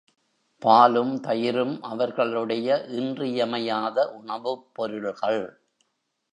பாலும் தயிரும் அவர்களுடைய இன்றியமையாத உணவுப் பொருள்கள்.